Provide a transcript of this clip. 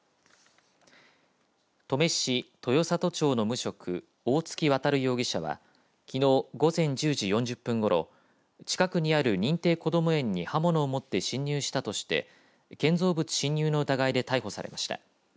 登米市豊里町の無職大槻渉容疑者はきのう午前１０時４０分ごろ近くにある認定こども園に刃物を持って侵入したとして建造物侵入の疑いで逮捕されました。